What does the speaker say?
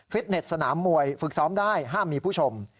เน็ตสนามมวยฝึกซ้อมได้ห้ามมีผู้ชม